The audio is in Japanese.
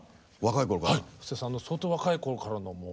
布施さんの相当若い頃からのもう。